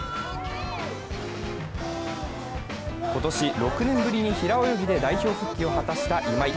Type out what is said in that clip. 今年、６年ぶりに平泳ぎで代表復帰を果たした今井。